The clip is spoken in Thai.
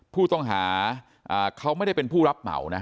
ผู้ต้องหาเขาไม่ได้เป็นผู้รับเหมานะ